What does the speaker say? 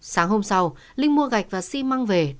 sáng hôm sau linh mua gạch và xi măng về